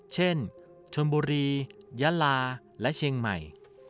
เช่นชนบุรียะลาและเชียงใหม่